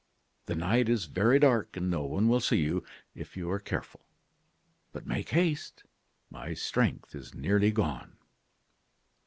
The night is very dark, and no one will see you, if you are careful. But make haste; my strength is nearly gone.